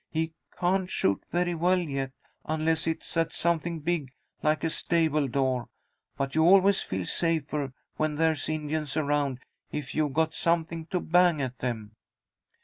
He can't shoot very well yet, unless it's at something big like a stable door, but you always feel safer, when there's Indians around, if you've got something to bang at them."